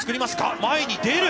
前に出る。